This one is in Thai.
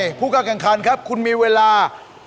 คุณผู้การกางคันครับคุณมีเวลา